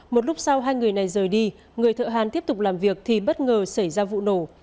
một lúc sau hai người này rời đi người thợ hàn tiếp tục làm việc thì bất ngờ xảy ra vụ nổ